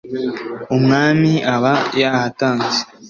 umwami aba yahatanze,